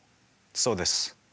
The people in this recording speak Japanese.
そうです。